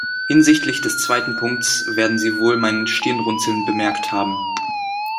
Hinsichtlich des zweiten Punkts werden Sie wohl mein Stirnrunzeln bemerkt haben.